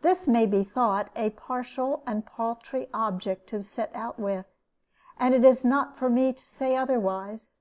This may be thought a partial and paltry object to set out with; and it is not for me to say otherwise.